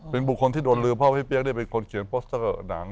เป็นบุคคลที่โดนลืมเพราะพี่เปี๊ยกได้เป็นคนเขียนโปสเตอร์หนัง